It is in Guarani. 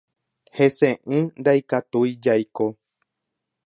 Heseʼỹ ndaikatúi jaiko.